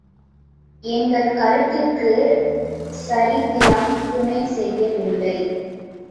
எங்கள் கருத்துக்கு சரித்திரம் துணை செய்யவில்லை.